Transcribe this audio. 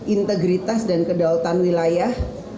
integritas dan kedultan wilayah kita